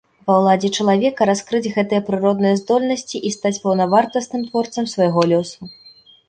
Ва ўладзе чалавека раскрыць гэтыя прыродныя здольнасці і стаць паўнавартасным творцам свайго лёсу.